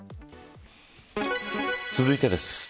続いてです。